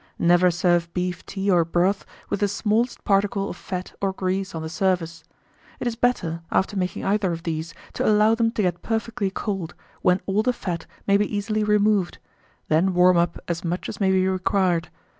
1848. Never serve beef tea or broth with the smallest particle of fat or grease on the surface. It is better, after making either of these, to allow them to get perfectly cold, when all the fat may be easily removed; then warm up as much as may be required.